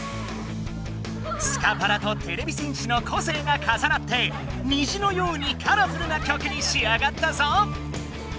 スカパラとてれび戦士の個性がかさなってにじのようにカラフルな曲にしあがったぞ！